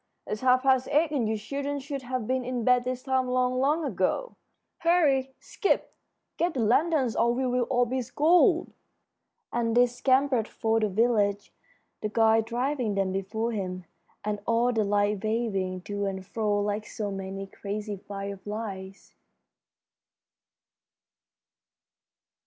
It's half past eight, and you children should have been in bed this time long, long ago. Hurry! Skip! Get the lanterns or we'll all be scolded." And they scampered for the village, the guide driving them before him, and all the lights waving to and fro like so many crazy fireflies.